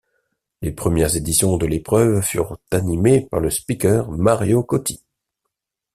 Les premières éditions de l'épreuve furent animées par le speaker Mario Cotti.